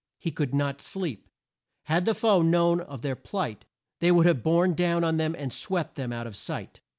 He could not sleep. Had the foe known of their plight, they would have borne down on them and swept them out of sight.